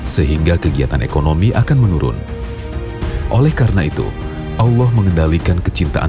sehingga kegiatan ekonomi akan menurun oleh karena itu allah mengendalikan kecintaan